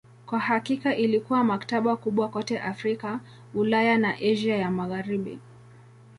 Kwa hakika ilikuwa maktaba kubwa kote Afrika, Ulaya na Asia ya Magharibi.